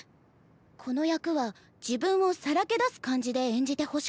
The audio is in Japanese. この役は自分をさらけ出す感じで演じてほしかったの。